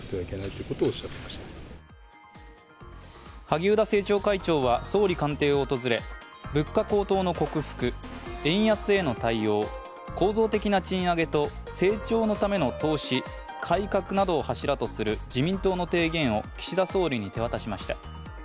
萩生田政調会長は総理官邸を訪れ物価高騰の克服、円安への対応構造的な賃上げと成長のための投資・改革などを柱とする自民党の提言を岸田総理に手渡しました。